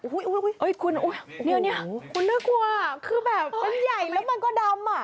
ทีนี้ก้อนนี้คุณได้กลัวคือแบบมันใหญ่แล้วมันก็ดำ